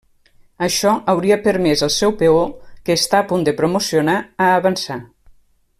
Això hauria permès el seu peó, que està a punt de promocionar, a avançar.